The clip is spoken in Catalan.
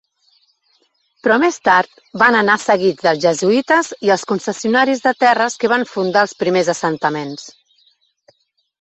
Però més tard van anar seguits dels jesuïtes i els concessionaris de terres, que van fundar els primers assentaments.